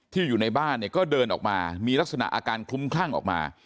อยู่ในบ้านเนี่ยก็เดินออกมามีลักษณะอาการคลุ้มคลั่งออกมา